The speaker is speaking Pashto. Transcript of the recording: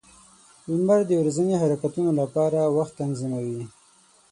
• لمر د ورځني حرکتونو لپاره وخت تنظیموي.